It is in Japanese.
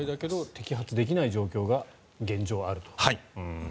摘発できない状態が現状あると。